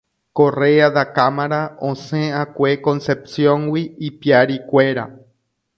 Correa da Cámara osẽʼakue Concepcióngui ipiarikuéra.